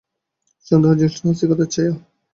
সন্দেহ জিনিসটা নাস্তিকতার ছায়া।